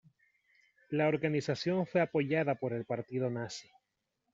La organización fue apoyada por el Partido Nazi.